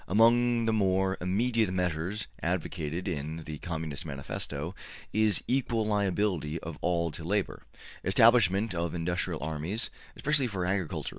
Among the more immediate measures advocated in the ``Communist Manifesto'' is ``equal liability of all to labor. Establishment of industrial armies, especially for agriculture.''